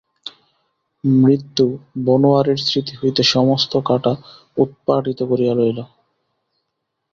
মৃত্যু বনোয়ারির স্মৃতি হইতে সমস্ত কাঁটা উৎপাটিত করিয়া লইল।